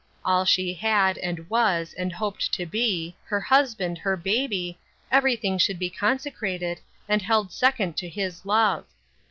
All she had, and was, and hoped to be, her husband, her baby — everything should be consecrated, be held second to his love.